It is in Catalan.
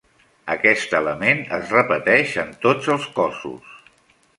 Aquest element es repeteix en tots els cossos.